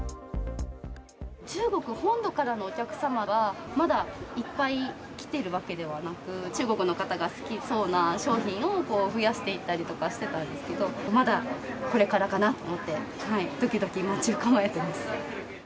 中国本土からのお客様はまだいっぱい来てるわけではなく、中国の方が好きそうな商品を増やしていったりとかしてたんですけど、まだこれからかなと思って、どきどき待ち構えています。